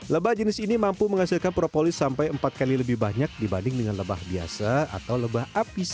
lebah jenis ini mampu menghasilkan propolis sampai empat kali lebih banyak dibanding dengan lebah biasa atau lebah